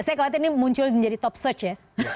saya khawatir ini muncul menjadi top search ya